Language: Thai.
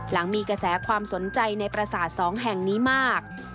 หลังมีกระแสความสนใจในประสาทสองแห่งนี้มาก